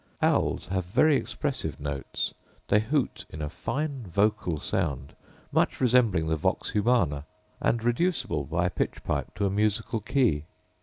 Owls have very expressive notes; they hoot in a fine vocal sound, much resembling the vox humana, and reducible by a pitch pipe to a musical key.